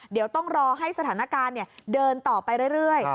เดี๋ยวต้องรอให้สถานการณ์เดินต่อไปเรื่อย